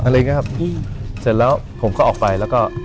เสร็จแล้วผมก็ออกไปแล้วก็